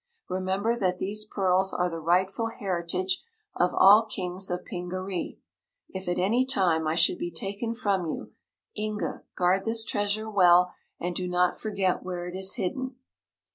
Remember that these pearls are the rightful heritage of all Kings of Pingaree. If at any time I should be taken from you, Inga, guard this treasure well and do not forget where it is hidden."